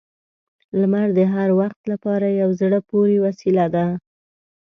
• لمر د هر وخت لپاره یو زړه پورې وسیله ده.